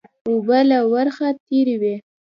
اوبه له ورخه تېرې وې